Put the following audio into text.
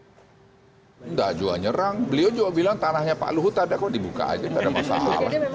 tidak jual nyerang beliau juga bilang tanahnya pak luhut ada kok dibuka aja tidak ada masalah